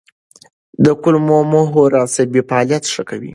کولمو محور عصبي فعالیت ښه کوي.